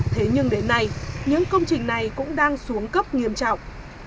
thế nhưng đến nay những công trình này cũng đang xuống cấp nghiêm trọng